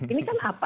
ini kan apa artinya